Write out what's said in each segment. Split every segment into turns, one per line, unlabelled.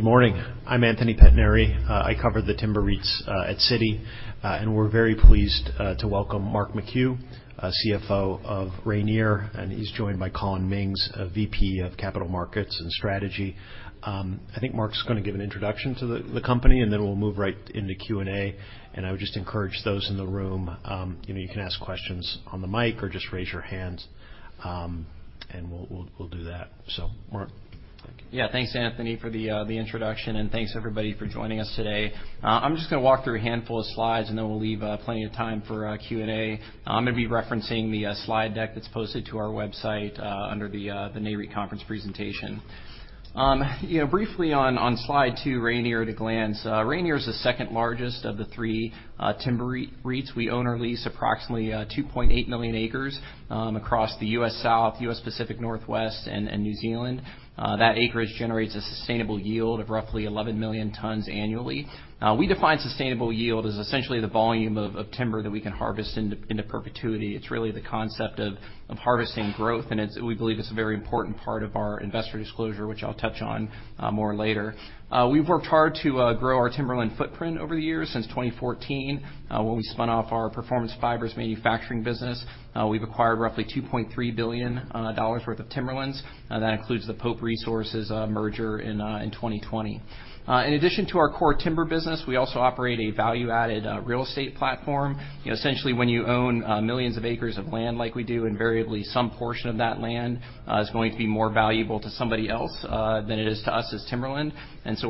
Good morning. I'm Anthony Pettinari. I cover the timber REITs at Citi, and we're very pleased to welcome Mark McHugh, CFO of Rayonier, and he's joined by Collin Mings, VP of Capital Markets and Strategy. I think Mark's gonna give an introduction to the company, and then we'll move right into Q&A. I would just encourage those in the room, you know, you can ask questions on the mic or just raise your hand, and we'll do that. Mark.
Thanks, Anthony, for the introduction, thanks, everybody, for joining us today. I'm just gonna walk through a handful of slides, then we'll leave plenty of time for Q&A. I'm gonna be referencing the slide deck that's posted to our website under the Nareit conference presentation. You know, briefly on slide two, Rayonier at a glance. Rayonier is the second largest of the three timber REITs. We own or lease approximately 2.8 million acres across the U.S. South, U.S. Pacific Northwest, and New Zealand. That acreage generates a sustainable yield of roughly 11 million tons annually. We define sustainable yield as essentially the volume of timber that we can harvest into perpetuity. It's really the concept of harvesting growth, and we believe it's a very important part of our investor disclosure, which I'll touch on more later. We've worked hard to grow our timberland footprint over the years. Since 2014, when we spun off our Performance Fibers manufacturing business, we've acquired roughly $2.3 billion worth of timberlands. That includes the Pope Resources merger in 2020. In addition to our core timber business, we also operate a value-added real estate platform. You know, essentially, when you own millions of acres of land like we do, invariably, some portion of that land is going to be more valuable to somebody else than it is to us as timberland.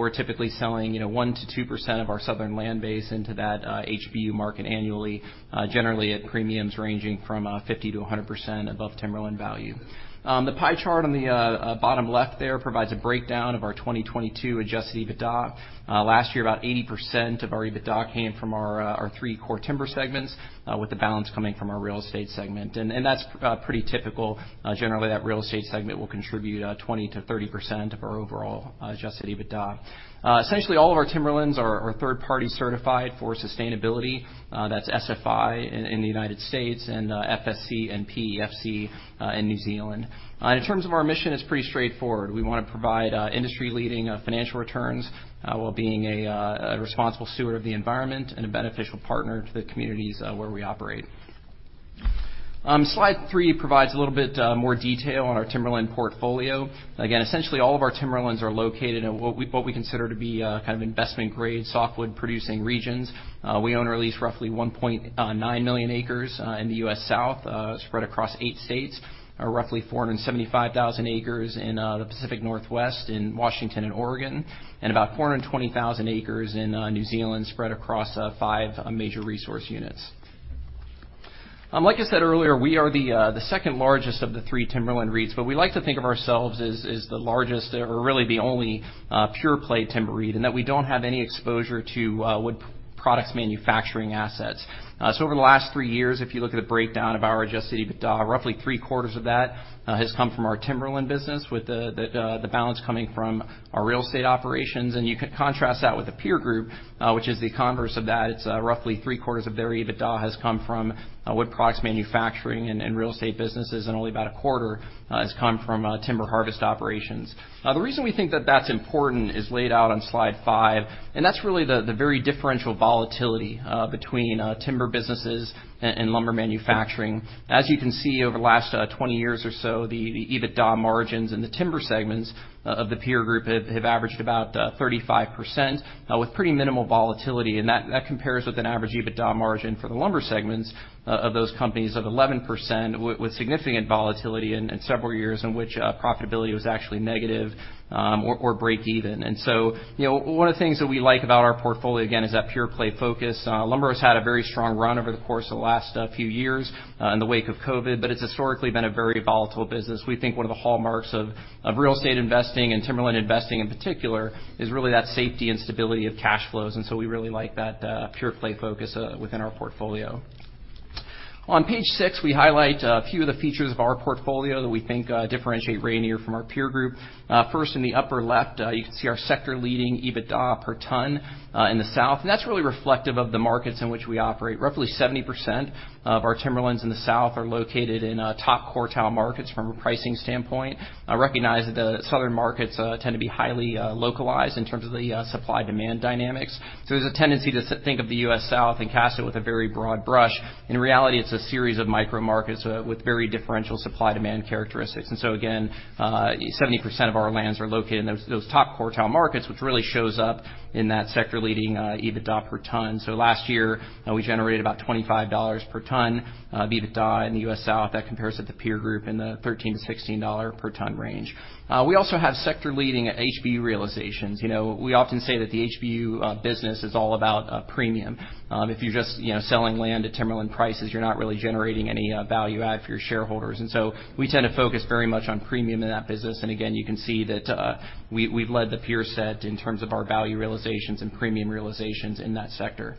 We're typically selling, you know, 1%-2% of our southern land base into that HBU market annually, generally at premiums ranging from 50%-100% above timberland value. The pie chart on the bottom left there provides a breakdown of our 2022 Adjusted EBITDA. Last year, about 80% of our EBITDA came from our three core timber segments, with the balance coming from our real estate segment, that's pretty typical. Generally, that real estate segment will contribute 20%-30% of our overall Adjusted EBITDA. Essentially, all of our timberlands are third-party certified for sustainability. That's SFI in the United States and FSC and PEFC in New Zealand. In terms of our mission, it's pretty straightforward. We want to provide industry-leading financial returns while being a responsible steward of the environment and a beneficial partner to the communities where we operate. Slide 3 provides a little bit more detail on our timberland portfolio. Again, essentially, all of our timberlands are located in what we, what we consider to be kind of investment-grade softwood-producing regions. We own or lease roughly 1.9 million acres in the U.S. South, spread across 8 states, roughly 475,000 acres in the Pacific Northwest, in Washington and Oregon, and about 420,000 acres in New Zealand, spread across five major resource units. Like I said earlier, we are the second largest of the three timberland REITs. We like to think of ourselves as the largest or really the only pure-play timber REIT. We don't have any exposure to wood products manufacturing assets. Over the last three years, if you look at the breakdown of our Adjusted EBITDA, roughly 3-quarters of that has come from our timberland business, with the balance coming from our real estate operations. You can contrast that with the peer group, which is the converse of that. It's roughly 3-quarters of their EBITDA has come from wood products manufacturing and real estate businesses. Only about a quarter has come from timber harvest operations. The reason we think that that's important is laid out on Slide five, and that's really the very differential volatility between timber businesses and lumber manufacturing. As you can see, over the last 20 years or so, the EBITDA margins in the timber segments of the peer group have averaged about 35% with pretty minimal volatility, and that compares with an average EBITDA margin for the lumber segments of those companies of 11% with significant volatility and several years in which profitability was actually negative or break even. You know, one of the things that we like about our portfolio, again, is that pure-play focus. Lumber has had a very strong run over the course of the last few years in the wake of COVID, but it's historically been a very volatile business. We think one of the hallmarks of real estate investing and timberland investing, in particular, is really that safety and stability of cash flows, and so we really like that pure-play focus within our portfolio. On Page six, we highlight a few of the features of our portfolio that we think differentiate Rayonier from our peer group. First, in the upper left, you can see our sector-leading EBITDA per ton in the South, and that's really reflective of the markets in which we operate. Roughly 70% of our timberlands in the South are located in top-quartile markets from a pricing standpoint. I recognize that the southern markets tend to be highly localized in terms of the supply-demand dynamics. There's a tendency to think of the U.S. South and cast it with a very broad brush. In reality, it's a series of micro markets with very differential supply-demand characteristics. Again, 70% of our lands are located in those top-quartile markets, which really shows up in that sector-leading EBITDA per ton. Last year, we generated about $25 per ton of EBITDA in the U.S. South. That compares to the peer group in the $13-$16 per ton range. We also have sector-leading HBU realizations. You know, we often say that the HBU business is all about premium. If you're just, you know, selling land at timberland prices, you're not really generating any value add for your shareholders. We tend to focus very much on premium in that business, and again, you can see that we've led the peer set in terms of our value realizations and premium realizations in that sector.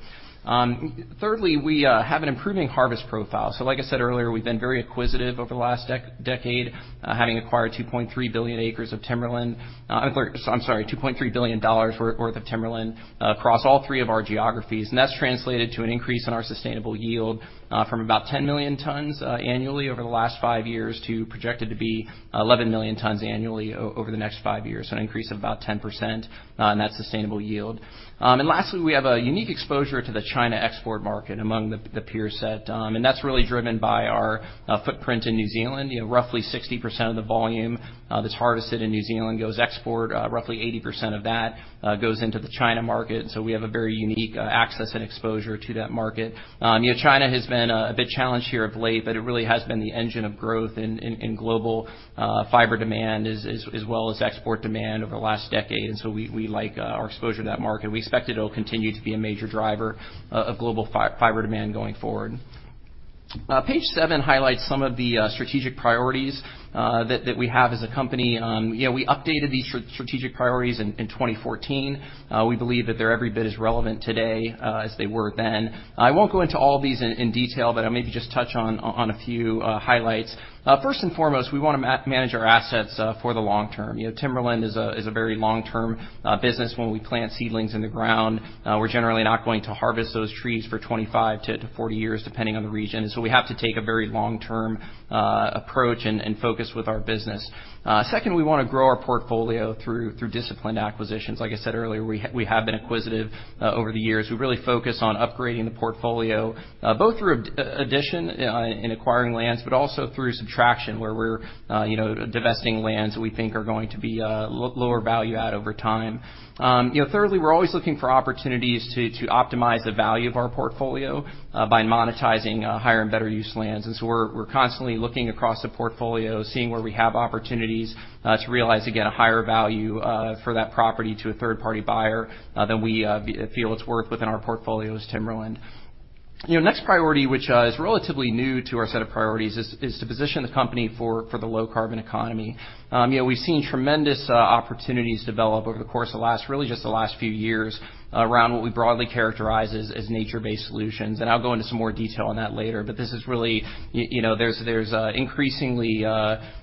Thirdly, we have an improving harvest profile. Like I said earlier, we've been very acquisitive over the last decade, having acquired 2.3 billion acres of timberland. I'm sorry, $2.3 billion worth of timberland across all three of our geographies, and that's translated to an increase in our sustainable yield from about 10 million tons annually over the last five years, to projected to be 11 million tons annually over the next 5 years. An increase of about 10% in that sustainable yield. Lastly, we have a unique exposure to the China export market among the peer set, and that's really driven by our footprint in New Zealand. You know, roughly 60% of the volume that's harvested in New Zealand goes export. Roughly 80% of that goes into the China market. We have a very unique access and exposure to that market. You know, China has been a bit challenged here of late, but it really has been the engine of growth in global fiber demand, as well as export demand over the last decade. We like our exposure to that market. We expect it'll continue to be a major driver of global fiber demand going forward. Page seven highlights some of the strategic priorities that we have as a company. We updated these strategic priorities in 2014. We believe that they're every bit as relevant today as they were then. I won't go into all of these in detail, but I'll maybe just touch on a few highlights. First and foremost, we wanna manage our assets for the long term. Timberland is a very long-term business. When we plant seedlings in the ground, we're generally not going to harvest those trees for 25-40 years, depending on the region. We have to take a very long-term approach and focus with our business. Second, we wanna grow our portfolio through disciplined acquisitions. Like I said earlier, we have been inquisitive over the years. We really focus on upgrading the portfolio, both through addition in acquiring lands, but also through subtraction, where we're, you know, divesting lands that we think are going to be lower value add over time. you know, thirdly, we're always looking for opportunities to optimize the value of our portfolio by monetizing higher and better use lands. So we're constantly looking across the portfolio, seeing where we have opportunities to realize, again, a higher value for that property to a third-party buyer than we feel it's worth within our portfolio as timberland. You know, next priority, which is relatively new to our set of priorities, is to position the company for the low-carbon economy. You know, we've seen tremendous opportunities develop over the course of the last really, just the last few years, around what we broadly characterize as nature-based solutions, and I'll go into some more detail on that later. This is really you know, there's a increasingly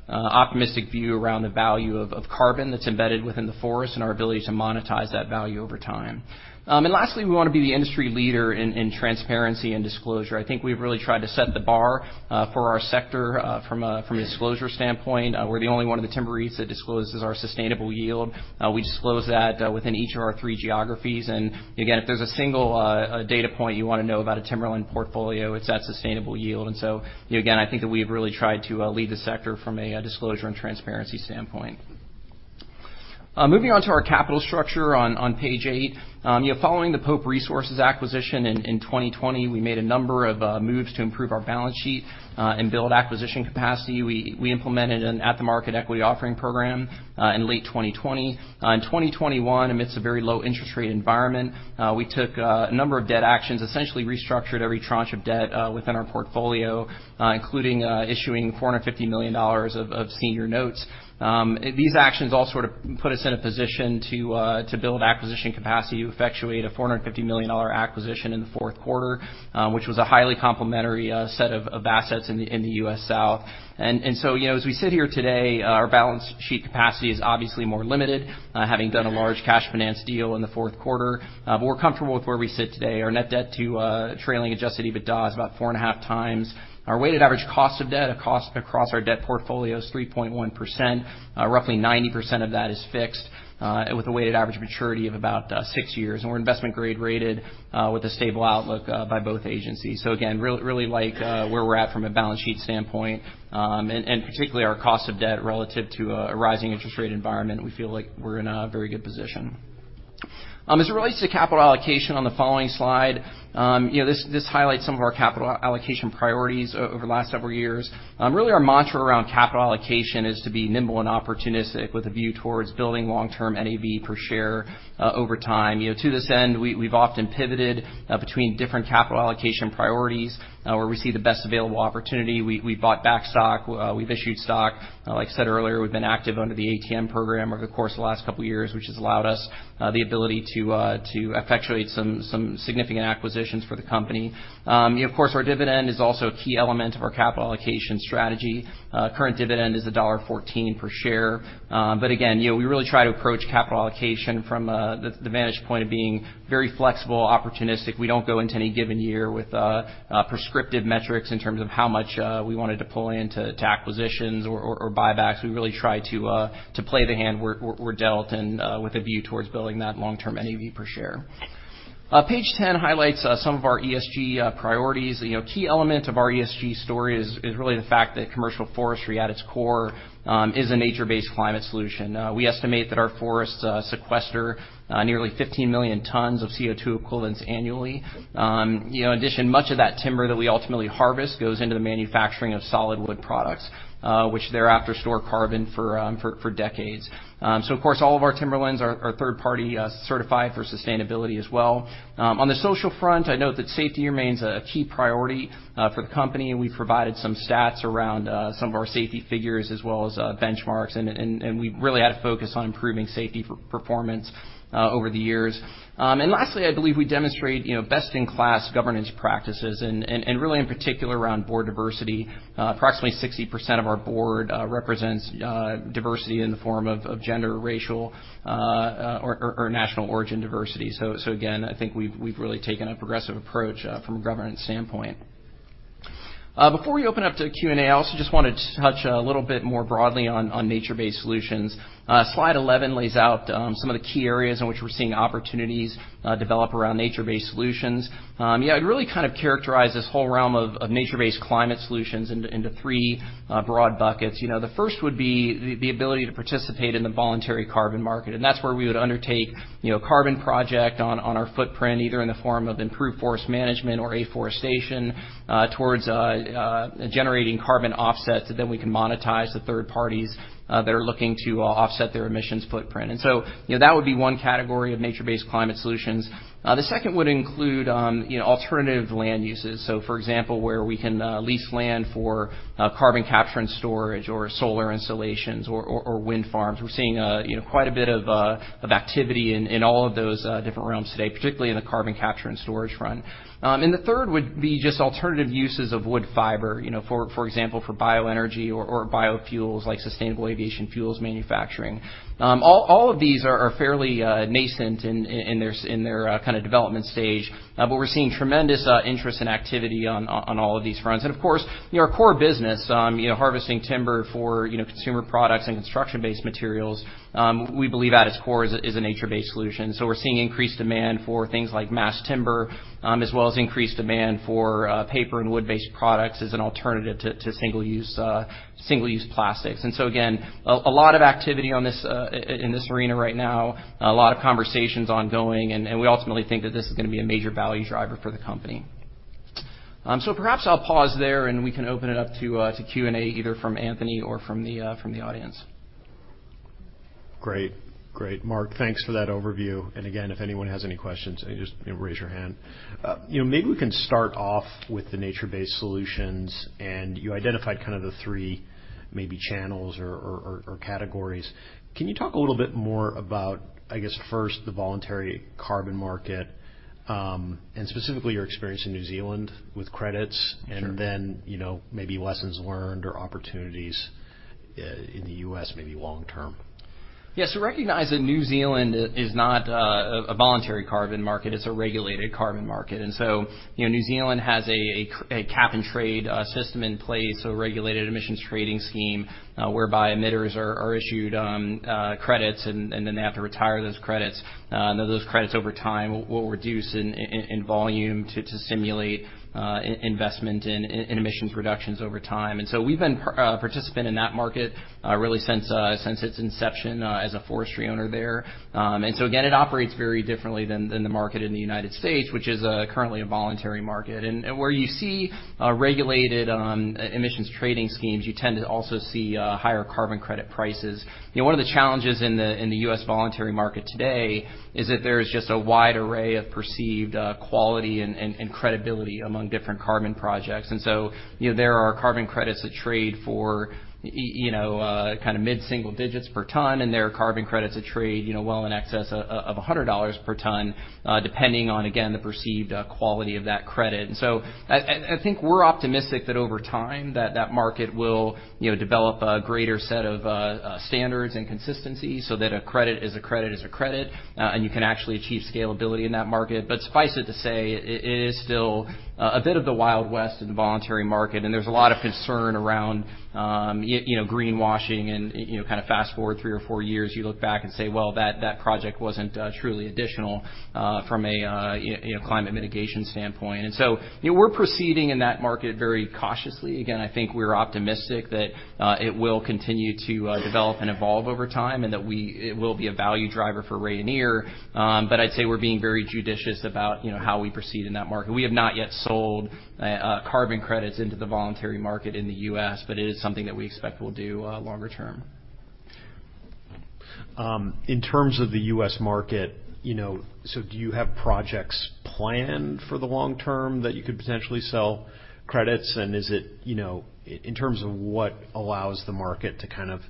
optimistic view around the value of carbon that's embedded within the forest and our ability to monetize that value over time. Lastly, we want to be the industry leader in transparency and disclosure. I think we've really tried to set the bar for our sector from a disclosure standpoint. We're the only one of the timber REITs that discloses our sustainable yield. We disclose that within each of our three geographies. Again, if there's a single data point you want to know about a timberland portfolio, it's that sustainable yield. Again, I think that we've really tried to lead the sector from a disclosure and transparency standpoint. Moving on to our capital structure on Page eight. You know, following the Pope Resources acquisition in 2020, we made a number of moves to improve our balance sheet and build acquisition capacity. We implemented an at-the-market equity offering program in late 2020. In 2021, amidst a very low interest rate environment, we took a number of debt actions, essentially restructured every tranche of debt within our portfolio, including issuing $450 million of senior notes. These actions all sort of put us in a position to build acquisition capacity to effectuate a $450 million acquisition in the fourth quarter, which was a highly complementary set of assets in the U.S. South. You know, as we sit here today, our balance sheet capacity is obviously more limited, having done a large cash finance deal in the fourth quarter. We're comfortable with where we sit today. Our net debt to trailing Adjusted EBITDA is about 4.5x. Our weighted average cost of debt, a cost across our debt portfolio, is 3.1%. Roughly 90% of that is fixed with a weighted average maturity of about six years. We're investment grade-rated with a stable outlook by both agencies. Again, really, really like where we're at from a balance sheet standpoint, and particularly our cost of debt relative to a rising interest rate environment. We feel like we're in a very good position. As it relates to capital allocation on the following slide, you know, this highlights some of our capital allocation priorities over the last several years. Really, our mantra around capital allocation is to be nimble and opportunistic, with a view towards building long-term NAV per share over time. You know, to this end, we've often pivoted between different capital allocation priorities where we see the best available opportunity. We've bought back stock, we've issued stock. Like I said earlier, we've been active under the ATM program over the course of the last couple of years, which has allowed us the ability to effectuate some significant acquisitions for the company. Of course, our dividend is also a key element of our capital allocation strategy. Current dividend is a $1.14 per share. Again, you know, we really try to approach capital allocation from the vantage point of being very flexible, opportunistic. We don't go into any given year with prescriptive metrics in terms of how much we want to deploy into acquisitions or buybacks. We really try to play the hand we're dealt, and with a view towards building that long-term NAV per share. Page 10 highlights some of our ESG priorities. You know, a key element of our ESG story is really the fact that commercial forestry, at its core, is a nature-based climate solution. We estimate that our forests sequester nearly 15 million tons of CO2 equivalents annually. You know, in addition, much of that timber that we ultimately harvest goes into the manufacturing of solid wood products, which thereafter store carbon for decades. Of course, all of our timberlands are third-party certified for sustainability as well. On the social front, I note that safety remains a key priority for the company, and we've provided some stats around some of our safety figures as well as benchmarks. We've really had a focus on improving safety for performance over the years. Lastly, I believe we demonstrate, you know, best-in-class governance practices, and really in particular, around board diversity. Approximately 60% of our board represents diversity in the form of gender, racial, or national origin diversity. Again, I think we've really taken a progressive approach from a governance standpoint. Before we open up to Q&A, I also just wanted to touch a little bit more broadly on nature-based solutions. Slide 11 lays out some of the key areas in which we're seeing opportunities develop around nature-based solutions. Yeah, I'd really kind of characterize this whole realm of nature-based climate solutions into three broad buckets. You know, the first would be the ability to participate in the voluntary carbon market, and that's where we would undertake, you know, a carbon project on our footprint, either in the form of improved forest management or afforestation, towards generating carbon offsets that then we can monetize to third parties that are looking to offset their emissions footprint. You know, that would be one category of nature-based climate solutions. The second would include, you know, alternative land uses. For example, where we can lease land for carbon capture and storage, or solar installations or wind farms. We're seeing, you know, quite a bit of activity in all of those different realms today, particularly in the carbon capture and storage front. The third would be just alternative uses of wood fiber, you know, for example, for bioenergy or biofuels, like sustainable aviation fuels manufacturing. All of these are fairly nascent in their kind of development stage, but we're seeing tremendous interest and activity on all of these fronts. Of course, you know, our core business, you know, harvesting timber for, you know, consumer products and construction-based materials, we believe at its core is a nature-based solution. We're seeing increased demand for things like mass timber, as well as increased demand for paper and wood-based products as an alternative to single-use plastics. Again, a lot of activity on this in this arena right now, a lot of conversations ongoing, and we ultimately think that this is gonna be a major value driver for the company. Perhaps I'll pause there, and we can open it up to Q&A, either from Anthony or from the audience.
Great, Mark. Thanks for that overview. Again, if anyone has any questions, just, you know, raise your hand. you know, maybe we can start off with the nature-based solutions, and you identified kind of the three maybe channels or categories. Can you talk a little bit more about, I guess, first, the voluntary carbon market, and specifically your experience in New Zealand with credits-
Sure.
You know, maybe lessons learned or opportunities in the U.S., maybe long term?
Recognize that New Zealand is not a voluntary carbon market. It's a regulated carbon market. You know, New Zealand has a cap and trade system in place, a regulated Emissions Trading Scheme, whereby emitters are issued credits, and then they have to retire those credits. Those credits over time will reduce in volume to simulate investment in emission reductions over time. We've been a participant in that market really since its inception as a forestry owner there. Again, it operates very differently than the market in the United States, which is currently a voluntary market. Where you see regulated emissions trading schemes, you tend to also see higher carbon credit prices. You know, one of the challenges in the U.S. voluntary market today is that there is just a wide array of perceived quality and credibility among different carbon projects. You know, there are carbon credits that trade for, you know, kind of mid-single digits per ton, and there are carbon credits that trade, you know, well in excess of $100 per ton, depending on, again, the perceived quality of that credit. I think we're optimistic that over time, that market will, you know, develop a greater set of standards and consistency so that a credit is a credit, is a credit, and you can actually achieve scalability in that market. Suffice it to say, it is still a bit of the Wild West in the voluntary market, and there's a lot of concern around, you know, greenwashing and, you know, kind of fast-forward 3 or 4 years, you look back and say: Well, that project wasn't truly additional from a, you know, climate mitigation standpoint. You know, we're proceeding in that market very cautiously. Again, I think we're optimistic that it will continue to develop and evolve over time, and that we... It will be a value driver for Rayonier. I'd say we're being very judicious about, you know, how we proceed in that market. We have not yet sold carbon credits into the voluntary market in the U.S., but it is something that we expect we'll do longer term.
In terms of the U.S. market, you know, do you have projects planned for the long term that you could potentially sell credits? Is it, you know, in terms of what allows the market to kind of,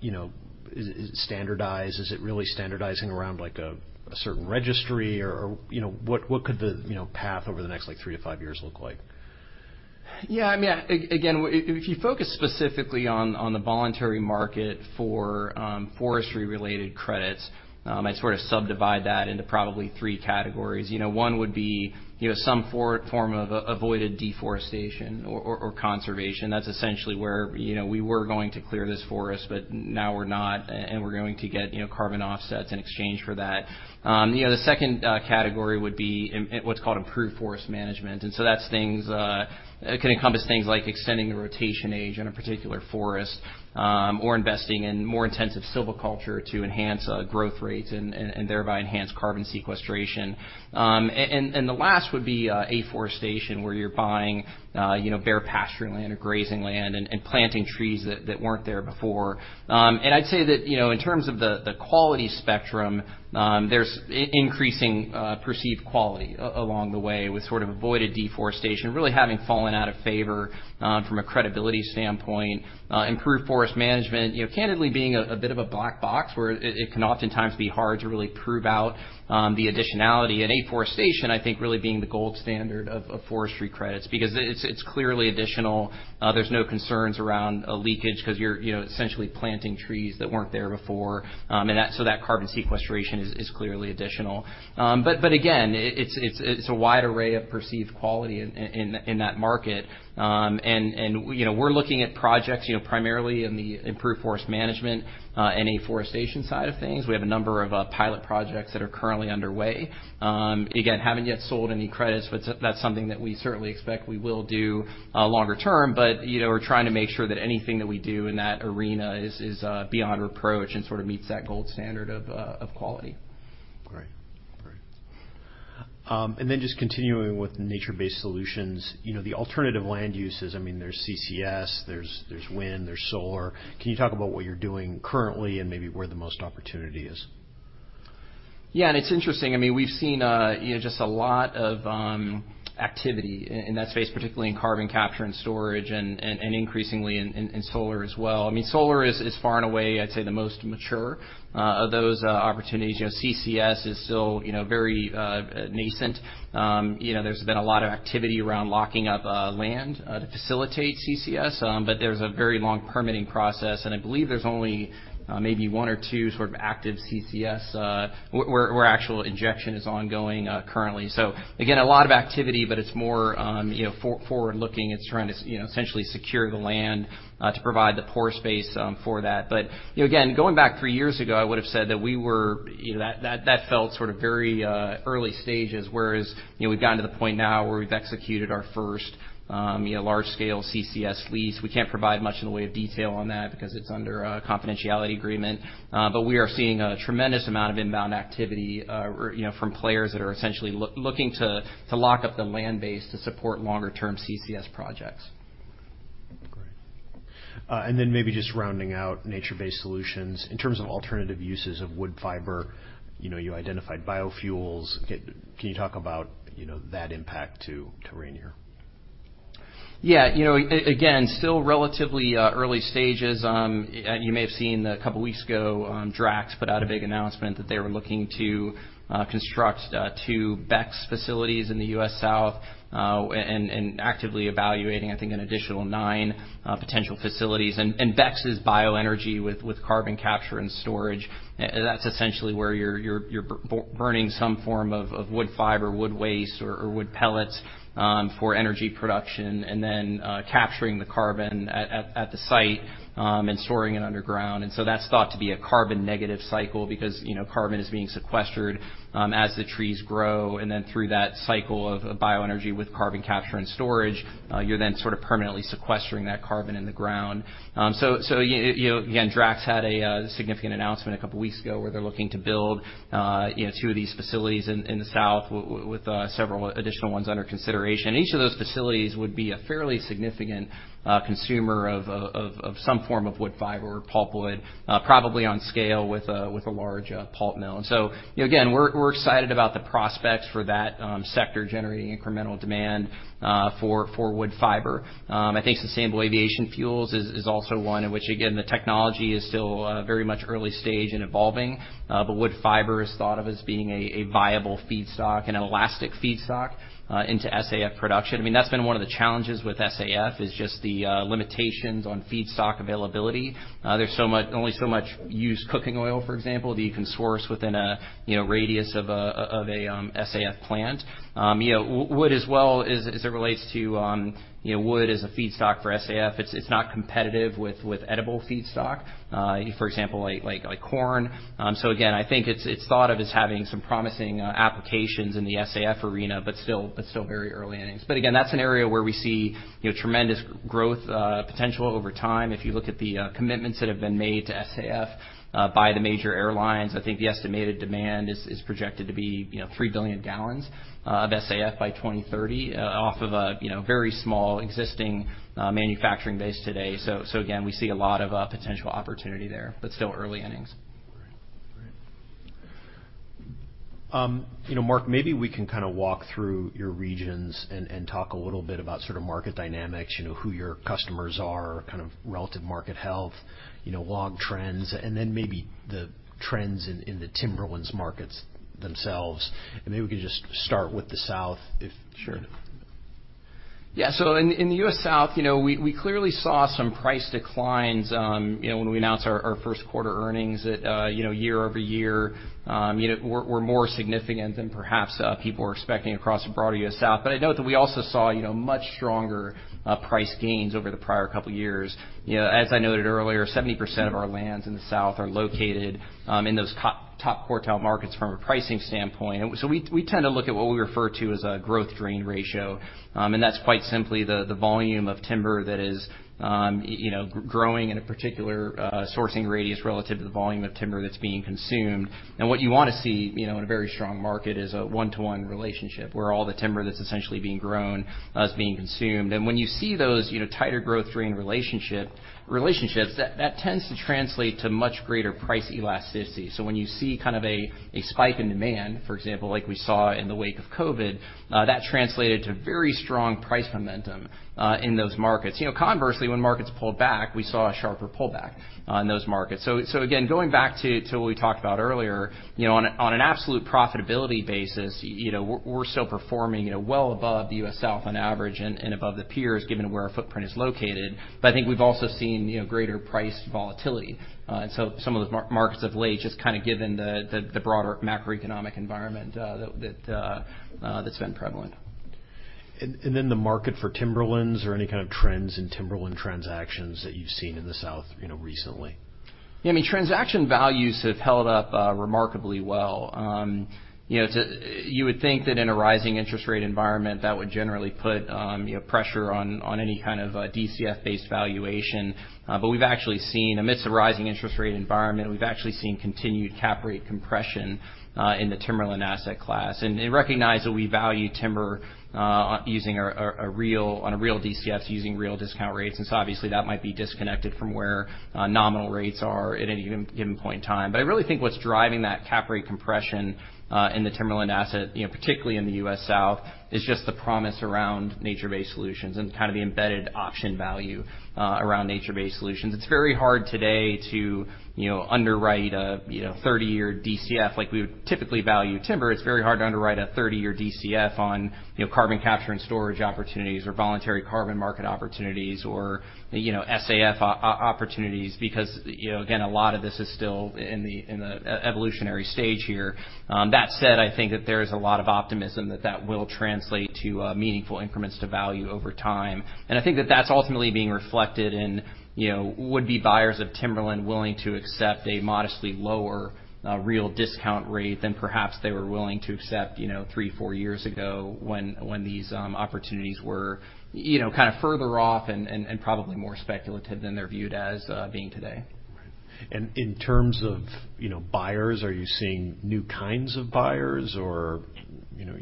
you know, is standardized, is it really standardizing around, like, a certain registry? What could the, you know, path over the next, like, 3-5 years look like?
Yeah, I mean, again, if you focus specifically on the voluntary market for forestry-related credits, I sort of subdivide that into probably three categories. You know, one would be, you know, some form of avoided deforestation or conservation. That's essentially where, you know, we were going to clear this forest, but now we're not, and we're going to get, you know, carbon offsets in exchange for that. You know, the second category would be what's called Improved Forest Management, and that's things. It can encompass things like extending the rotation age in a particular forest, or investing in more intensive silviculture to enhance growth rates and thereby enhance carbon sequestration. The last would be afforestation, where you're buying, you know, bare pasture land or grazing land and planting trees that weren't there before. I'd say that, you know, in terms of the quality spectrum, there's increasing perceived quality along the way, with sort of avoided deforestation really having fallen out of favor from a credibility standpoint. Improved forest management, you know, candidly being a bit of a black box, where it can oftentimes be hard to really prove out the additionality. Afforestation, I think, really being the gold standard of forestry credits because it's clearly additional. There's no concerns around leakage because you're, you know, essentially planting trees that weren't there before. That carbon sequestration is clearly additional. But again, it's a wide array of perceived quality in that market. And, you know, we're looking at projects, you know, primarily in the improved forest management and afforestation side of things. We have a number of pilot projects that are currently underway. Again, haven't yet sold any credits, but that's something that we certainly expect we will do longer term. You know, we're trying to make sure that anything that we do in that arena is, uh, beyond reproach and sort of meets that gold standard of quality.
Great. Just continuing with nature-based solutions, you know, the alternative land uses, I mean, there's CCS, there's wind, there's solar. Can you talk about what you're doing currently and maybe where the most opportunity is?
Yeah, it's interesting. I mean, we've seen, you know, just a lot of activity in that space, particularly in carbon capture and storage, and increasingly in solar as well. I mean, solar is far and away, I'd say, the most mature of those opportunities. You know, CCS is still, you know, very nascent. You know, there's been a lot of activity around locking up land to facilitate CCS, but there's a very long permitting process, and I believe there's only one or two sort of active CCS where actual injection is ongoing currently. Again, a lot of activity, but it's more, you know, forward-looking. It's trying to, you know, essentially secure the land to provide the pore space for that. You know, again, going back 3 years ago, I would've said that. You know, that felt sort of very early stages, whereas, you know, we've gotten to the point now where we've executed our first, you know, large-scale CCS lease. We can't provide much in the way of detail on that because it's under a confidentiality agreement, but we are seeing a tremendous amount of inbound activity, you know, from players that are essentially looking to lock up the land base to support longer-term CCS projects.
Great. Maybe just rounding out nature-based solutions. In terms of alternative uses of wood fiber, you know, you identified biofuels. Can you talk about, you know, that impact to Rayonier?
Yeah, you know, again, still relatively early stages. You may have seen a couple of weeks ago, Drax put out a big announcement that they were looking to construct two BECCS facilities in the U.S. South, and actively evaluating, I think, an additional nine potential facilities. BECCS is bioenergy with carbon capture and storage. That's essentially where you're burning some form of wood fiber, wood waste, or wood pellets, for energy production, and then capturing the carbon at the site, and storing it underground. That's thought to be a carbon-negative cycle because, you know, carbon is being sequestered as the trees grow, and then through that cycle of bioenergy with carbon capture and storage, you're then sort of permanently sequestering that carbon in the ground. So, you know, again, Drax had a significant announcement a couple of weeks ago where they're looking to build, you know, two of these facilities in the South with several additional ones under consideration. Each of those facilities would be a fairly significant consumer of some form of wood fiber or pulpwood, probably on scale with a large pulp mill. You know, again, we're excited about the prospects for that sector generating incremental demand for wood fiber. I think sustainable aviation fuels is also one in which, again, the technology is still very much early stage and evolving, but wood fiber is thought of as being a viable feedstock and an elastic feedstock into SAF production. I mean, that's been one of the challenges with SAF, is just the limitations on feedstock availability. There's only so much used cooking oil, for example, that you can source within a, you know, radius of a SAF plant. You know, wood as well, as it relates to, you know, wood as a feedstock for SAF, it's not competitive with edible feedstock, for example, like corn. Again, I think it's thought of as having some promising applications in the SAF arena, but still very early innings. Again, that's an area where we see, you know, tremendous growth potential over time. If you look at the commitments that have been made to SAF by the major airlines, I think the estimated demand is projected to be, you know, 3 billion gallons of SAF by 2030 off of a, you know, very small existing manufacturing base today. Again, we see a lot of potential opportunity there, but still early innings.
Great. Great. you know, Mark, maybe we can kind of walk through your regions and talk a little bit about sort of market dynamics, you know, who your customers are, kind of relative market health, you know, log trends, and then maybe the trends in the timberlands markets themselves. Maybe we can just start with the South.
Sure. Yeah, so in the U.S. South, you know, we clearly saw some price declines, you know, when we announced our first quarter earnings that, you know, year-over-year, you know, were more significant than perhaps people were expecting across the broader U.S. South. I note that we also saw, you know, much stronger price gains over the prior couple of years. You know, as I noted earlier, 70% of our lands in the South are located, in those top quartile markets from a pricing standpoint. We, we tend to look at what we refer to as a growth/drain ratio, and that's quite simply the volume of timber that is, you know, growing in a particular sourcing radius relative to the volume of timber that's being consumed. What you want to see, you know, in a very strong market, is a one-to-one relationship where all the timber that's essentially being grown, is being consumed. When you see those, you know, tighter growth drain relationships, that tends to translate to much greater price elasticity. When you see kind of a spike in demand, for example, like we saw in the wake of COVID, that translated to very strong price momentum, in those markets. You know, conversely, when markets pulled back, we saw a sharper pullback, in those markets. Again, going back to what we talked about earlier, you know, on an absolute profitability basis, you know, we're still performing, you know, well above the U.S. South on average and above the peers, given where our footprint is located. I think we've also seen, you know, greater price volatility. Some of the markets of late, just kinda given the broader macroeconomic environment, that's been prevalent.
The market for timberlands, or any kind of trends in timberland transactions that you've seen in the South, you know, recently?
Yeah, I mean, transaction values have held up remarkably well. You know, you would think that in a rising interest rate environment, that would generally put pressure on any kind of a DCF-based valuation. We've actually seen, amidst a rising interest rate environment, we've actually seen continued cap rate compression in the timberland asset class. And recognize that we value timber using a real DCF, using real discount rates. Obviously, that might be disconnected from where nominal rates are at any given point in time. I really think what's driving that cap rate compression in the timberland asset, you know, particularly in the U.S. South, is just the promise around nature-based solutions and kind of the embedded option value around nature-based solutions. It's very hard today to, you know, underwrite a, you know, 30-year DCF like we would typically value timber. It's very hard to underwrite a 30-year DCF on, you know, carbon capture and storage opportunities or voluntary carbon market opportunities or, you know, SAF opportunities, because, you know, again, a lot of this is still in the, in the evolutionary stage here. That said, I think that there is a lot of optimism that will translate to meaningful increments to value over time. I think that that's ultimately being reflected in, you know, would-be buyers of timberland willing to accept a modestly lower, real discount rate than perhaps they were willing to accept, you know, 3, 4 years ago when these opportunities were, you know, kind of further off and, probably more speculative than they're viewed as being today.
In terms of, you know, buyers, are you seeing new kinds of buyers, or, you know?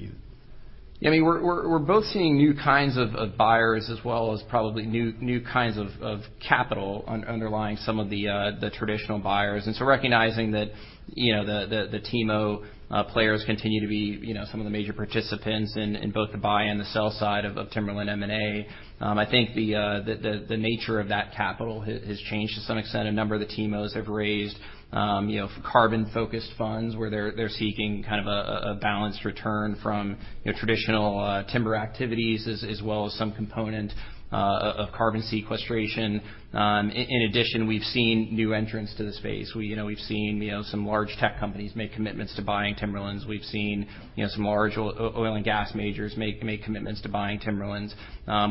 I mean, we're both seeing new kinds of buyers as well as probably new kinds of capital underlying some of the traditional buyers. Recognizing that, you know, the TIMO players continue to be, you know, some of the major participants in both the buy and the sell side of timberland M&A. I think the nature of that capital has changed to some extent. A number of the TIMOs have raised, you know, carbon-focused funds, where they're seeking kind of a balanced return from your traditional timber activities, as well as some component of carbon sequestration. In addition, we've seen new entrants to the space. We, you know, we've seen some large tech companies make commitments to buying timberlands. We've seen, you know, some large oil and gas majors make commitments to buying timberlands.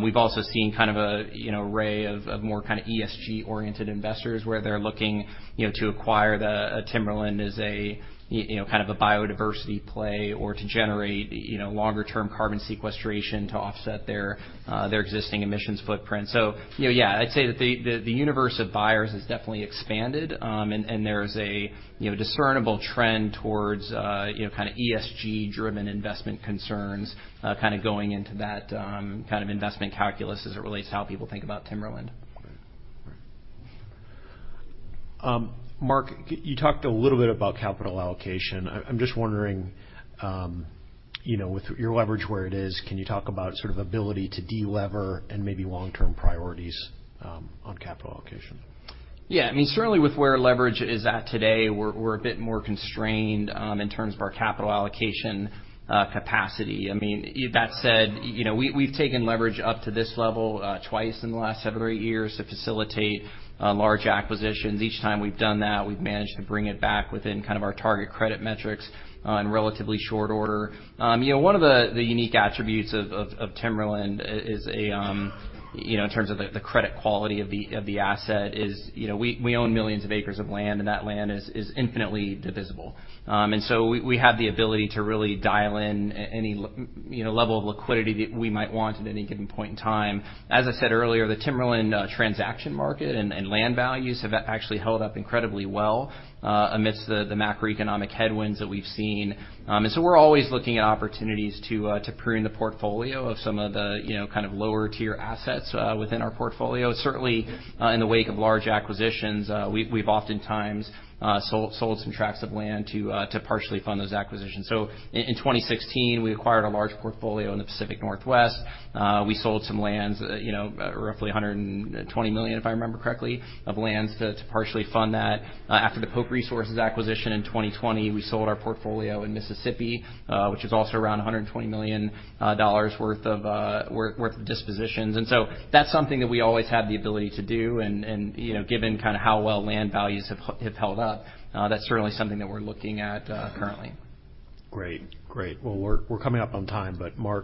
We've also seen kind of a, you know, array of more kind of ESG-oriented investors, where they're looking, you know, to acquire the, a timberland as a, you know, kind of a biodiversity play or to generate, you know, longer term carbon sequestration to offset their existing emissions footprint. You know, yeah, I'd say that the universe of buyers has definitely expanded. There's a, you know, discernible trend towards, you know, kind of ESG-driven investment concerns, kind of going into that, kind of investment calculus as it relates to how people think about timberland.
Mark, you talked a little bit about capital allocation. I'm just wondering, you know, with your leverage where it is, can you talk about sort of ability to delever and maybe long-term priorities on capital allocation?
Yeah. I mean, certainly with where leverage is at today, we're a bit more constrained in terms of our capital allocation capacity. I mean, that said, you know, we've taken leverage up to this level twice in the last 7 or 8 years to facilitate large acquisitions. Each time we've done that, we've managed to bring it back within kind of our target credit metrics in relatively short order. you know, one of the unique attributes of Timberland is a, you know, in terms of the credit quality of the asset is, you know, we own millions of acres of land, and that land is infinitely divisible. We have the ability to really dial in any you know, level of liquidity that we might want at any given point in time. As I said earlier, the timberland transaction market and land values have actually held up incredibly well amidst the macroeconomic headwinds that we've seen. We're always looking at opportunities to prune the portfolio of some of the, you know, kind of lower-tier assets within our portfolio. Certainly, in the wake of large acquisitions, we've oftentimes sold some tracts of land to partially fund those acquisitions. In 2016, we acquired a large portfolio in the Pacific Northwest. We sold some lands, you know, roughly $120 million, if I remember correctly, of lands to partially fund that. After the Pope Resources acquisition in 2020, we sold our portfolio in Mississippi, which is also around $120 million worth of dispositions. That's something that we always have the ability to do, and, you know, given kinda how well land values have held up, that's certainly something that we're looking at, currently.
Great. Well, we're coming up on time, but Mark.